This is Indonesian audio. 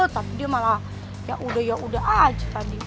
tapi dia malah yaudah yaudah aja tadi